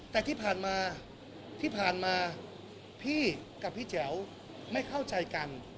แต่ที่ผ่านมาที่ผ่านมาพี่กับพี่แจ๋วไม่เข้าใจกัน